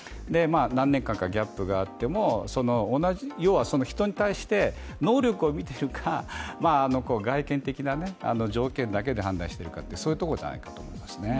何年間かギャップがあっても、人に対して能力を見てるか、外見的な条件だけで判断してるかそういうところじゃないかと思いますね。